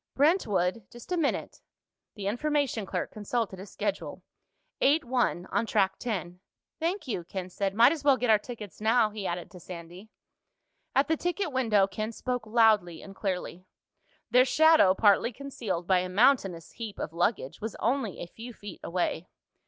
"Brentwood? Just a minute." The information clerk consulted a schedule. "Eight one. On Track Ten." "Thank you," Ken said. "Might as well get our tickets now," he added to Sandy. At the ticket window, Ken spoke loudly and clearly. Their shadow, partly concealed by a mountainous heap of luggage, was only a few feet away.